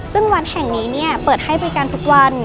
ซึ่งวันแห่งนี้เปิดให้บริการทุกวัน